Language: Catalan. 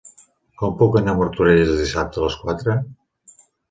Com puc anar a Martorelles dissabte a les quatre?